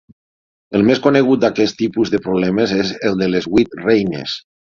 El més conegut d'aquest tipus de problemes és el de les vuit reines.